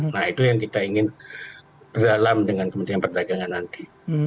nah itu yang kita ingin berdalam dengan kementerian perdagangan nanti